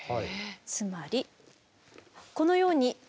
つまりこのように。